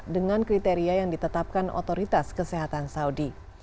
dengan kriteria yang ditetapkan otoritas kesehatan saudi